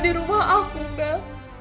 di rumah aku bella